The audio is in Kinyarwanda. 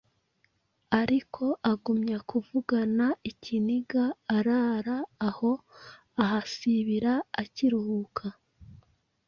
ariko agumya kuvugana ikiniga. Arara aho, ahasibira akiruhuka.